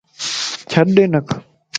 ڇڏ ھنکِ